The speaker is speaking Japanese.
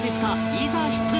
いざ出陣！